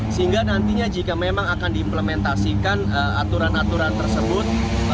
sehingga nantinya jika memang akan diimplementasikan aturan aturan tersebut